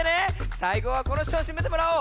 さいごはこのひとにしめてもらおう。